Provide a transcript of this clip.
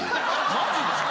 マジっすか？